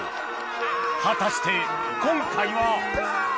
果たして今回は？